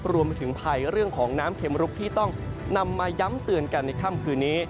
รวมไปถึงภัยเรื่องของน้ำเข็มรุกที่ต้องนำมาย้ำเตือนกันในค่ำคืนนี้